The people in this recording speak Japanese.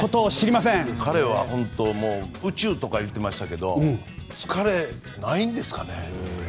彼は宇宙とか言ってましたけど疲れないんですかね。